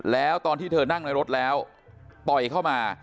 แล้วตอนที่เธอนั่งในรถแล้วต่อยเข้ามา